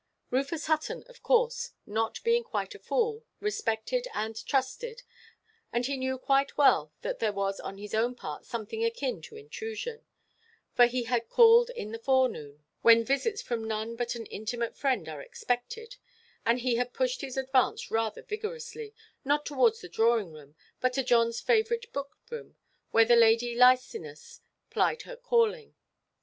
Rufus Hutton, of course, not being quite a fool, respected, and trusted, and loved them both, more than he would have done after fifty formal dinners. And he knew quite well that there was on his own part something akin to intrusion; for he had called in the forenoon, when visits from none but an intimate friend are expected; and he had pushed his advance rather vigorously, not towards the drawing–room, but to Johnʼs favourite book–room, where the lady Licinus plied her calling.